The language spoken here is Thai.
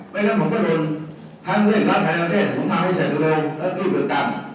ไม่งั้นผมก็โดนทั้งเวียงรัฐไทยและอเมริกาผมทำให้เสร็จเร็วและด้วยเบือกกัน